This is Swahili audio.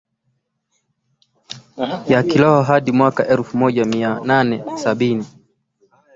ya kiroho hadi mwaka elfu moja Mia nane sabini